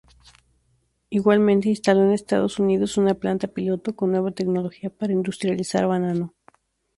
Igualmente, instaló en Estados Unidos una planta piloto con nueva tecnología para industrializar banano.